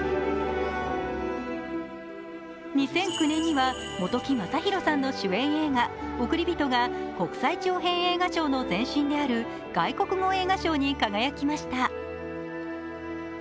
２００９年には本木雅弘さんの主演映画「おくりびと」が国際長編映画賞の前身である外国語映画賞に輝きました。